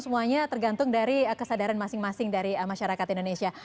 semuanya tergantung dari kesadaran masing masing dari masyarakat indonesia